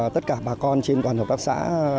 tất cả bà con trên toàn hợp tác xã